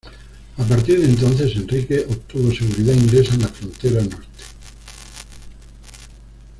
A partir de entonces, Enrique obtuvo seguridad inglesa en la frontera norte.